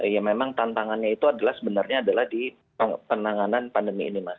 ya memang tantangannya itu adalah sebenarnya adalah di penanganan pandemi ini mas